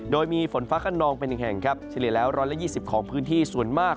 โดยมีฝนฟ้าขนองเป็น๑แห่งครับเฉลี่ยแล้ว๑๒๐ของพื้นที่ส่วนมาก